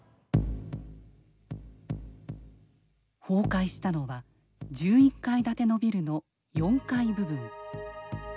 崩壊したのは１１階建てのビルの４階部分。